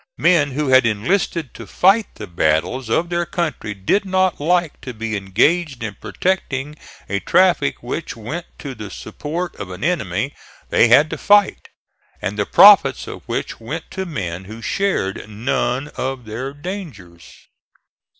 Men who had enlisted to fight the battles of their country did not like to be engaged in protecting a traffic which went to the support of an enemy they had to fight, and the profits of which went to men who shared none of their dangers.